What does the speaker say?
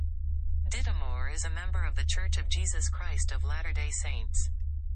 Dittemore is a member of The Church of Jesus Christ of Latter-day Saints.